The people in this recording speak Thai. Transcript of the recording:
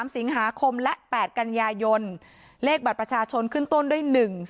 ๓สิงหาคมและ๘กันยายนเลขบัตรประชาชนขึ้นต้นด้วย๑๔